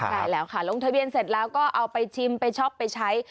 ใช่แล้วค่ะลงทะเบียนเสร็จแล้วก็เอาไปชิมไปช็อปไปใช้